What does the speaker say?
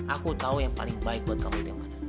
aku tahu yang paling baik buat kamu itu yang mana